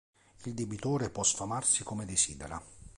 Il debitore può sfamarsi come desidera.